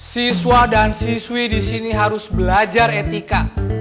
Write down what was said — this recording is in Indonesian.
siswa dan siswi disini harus belajar etika